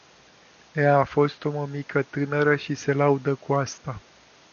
Ea a fost o mămică tânără și se laudă cu asta.